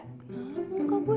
hah muka gue